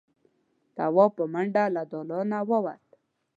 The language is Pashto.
تواب په منډه له دالانه ووت.